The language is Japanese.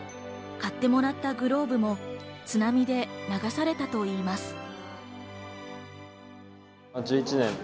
買ってもらったグローブも津波で流されたといいます。